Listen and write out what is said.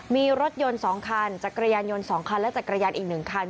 มีรถยนต์๒คันจักรยานยนต์๒คันและจักรยานอีก๑คัน